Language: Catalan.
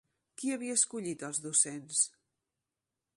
Qui havia escollit els docents?